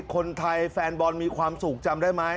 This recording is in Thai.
แฟนบอลมีความสุขจำได้ไหม